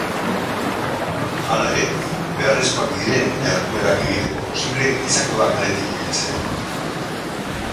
Hala ere, beharrezkoak diren jarduerak egiteko posible izango da kaletik ibiltzea.